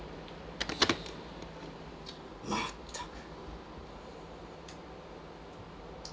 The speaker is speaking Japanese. まったく。